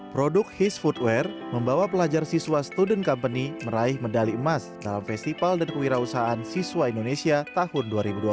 produk his foodware membawa pelajar siswa student company meraih medali emas dalam festival dan kewirausahaan siswa indonesia tahun dua ribu dua puluh